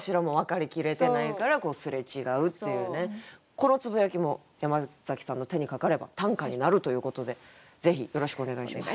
このつぶやきも山崎さんの手にかかれば短歌になるということでぜひよろしくお願いします。